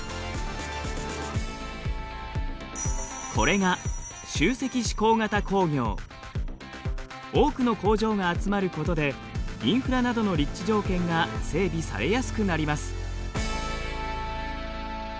これが多くの工場が集まることでインフラなどの立地条件が整備されやすくなります。